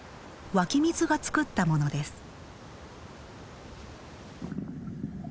湧き水が作ったものです。